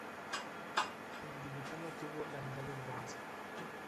En individual obtuvo la medalla de bronce.